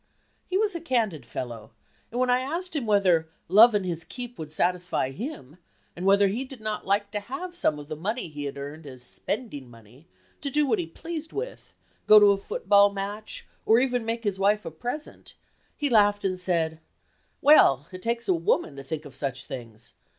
He was a candid fellow, and when I asked him whether "love an' his keep" would satisfy him, and whether he did not like to have some of the money he had earned as "spending money," to do what he pleased with, go to a football match,—or even make his wife a present,—he laughed and said, "Well it takes a woman to think of such things!